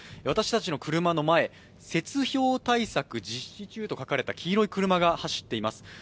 私たちの車の前、雪氷対策実施中と書いた黄色い車が走っています